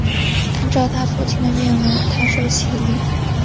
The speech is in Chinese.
按照她父亲的愿望她受洗礼。